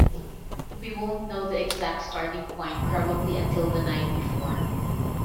We won't know the exact starting point probably until the night before.